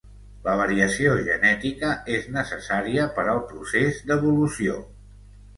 La variació genètica és necessària per al procés d'evolució.